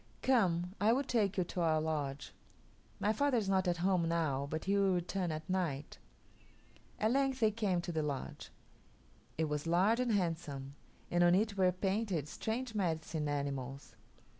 Come, I will take you to our lodge. My father is not at home now, but he will return at night." At length they came to the lodge. It was large and handsome, and on it were painted strange medicine animals.